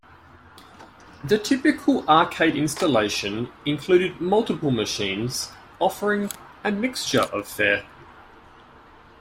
The typical arcade installation included multiple machines offering a mixture of fare.